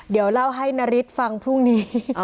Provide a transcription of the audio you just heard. เดี๋ยวเล่าให้นาริสฟังพรุ่งนี้